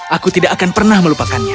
aku tidak akan pernah melupakannya